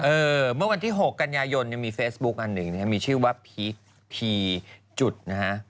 เมื่อวันที่๖กันยายนยังมีเฟซบุ๊คอันหนึ่งนะฮะมีชื่อว่าพีชพีจุดนะฮะ